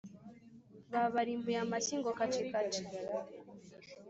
Babarimbuye amashyi ngo kacikaci.